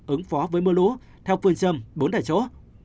ứng phó với mưa lũ theo phương châm bốn tại chỗ